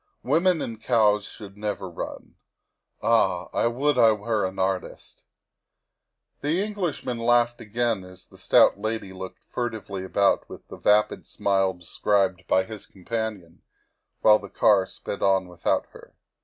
Women and cows should never run. Ah ! I would I were an artist !'' The Englishman laughed again as the stout lady looked furtively about with the vapid smile described by his companion, while the car sped on without her.